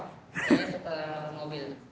saya pengusaha mobil